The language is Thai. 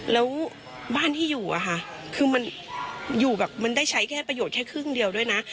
แล้วบ้านที่อยู่อะค่ะคือมันอยู่แบบมันได้ใช้แค่ประโยชน์แค่ครึ่งเดียวด้วยนะ